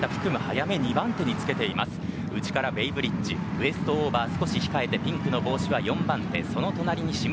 内からベイブリッジウエストオーバー少し控えてピンクの帽子、４番手。